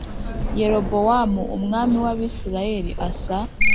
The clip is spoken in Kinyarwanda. Yerobowamu umwami w Abisirayeli Asa